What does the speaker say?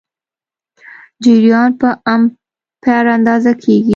جریان په امپیر اندازه کېږي.